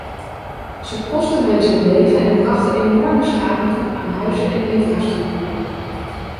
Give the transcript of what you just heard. Ze kostten mensen het leven en brachten enorme schade toe aan huizen en infrastructuren.